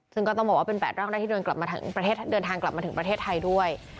ซึ่งก็ต้องบอกว่าเป็น๘ร่างแรกที่เดินทางกลับมาถึงประเทศไทยด้วย